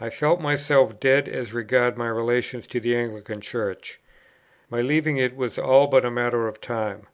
I felt myself dead as regarded my relations to the Anglican Church. My leaving it was all but a matter of time.